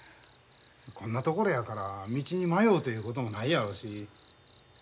こんなところやから道に迷うということもないやろうし。